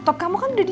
oh belom bali